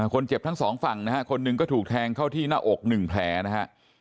ทั้งสองฝั่งนะฮะคนหนึ่งก็ถูกแทงเข้าที่หน้าอกหนึ่งแผลนะฮะ